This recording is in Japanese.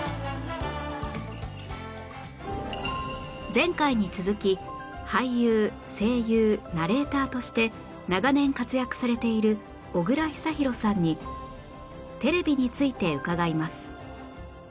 前回に続き俳優声優ナレーターとして長年活躍されている小倉久寛さんにテレビについて伺います